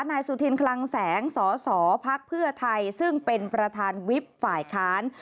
นายสุธินคลังแสงสสพักเพื่อไทยซึ่งเป็นประธานวิบฝ่ายค้าน